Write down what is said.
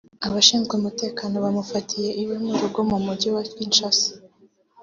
Abashinzwe umutekano bamufatiye iwe mu rugo mu Mujyi wa Kinshasa